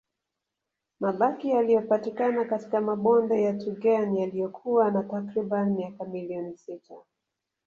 Mabaki yaliyopatikana katika mabonde ya Tugen yaliyokuwa na takriban miaka milioni sita